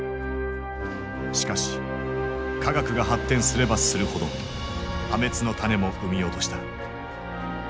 しかし科学が発展すればするほど破滅の種も産み落とした。